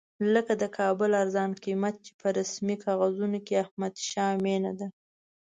لکه د کابل ارزان قیمت چې په رسمي کاغذونو کې احمدشاه مېنه ده.